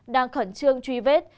đang khẩn trương truy vết